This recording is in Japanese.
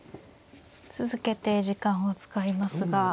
続けて時間を使いますが。